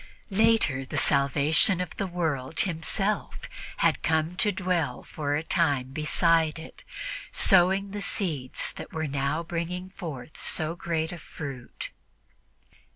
Later, the Salvation of the world Himself had come to dwell for a time beside it, sowing the seeds that were now bringing forth so great a harvest.